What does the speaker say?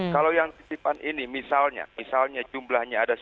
kalau yang titipan ini misalnya jumlahnya ada satu